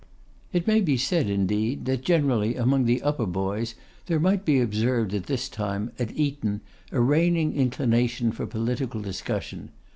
It may be said, indeed, that generally among the upper boys there might be observed at this time, at Eton, a reigning inclination for political discussion.